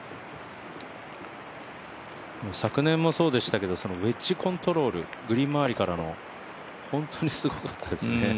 昨年もそうでしたけどウェッジコントロール、グリーン周りの、本当にすごかったですね。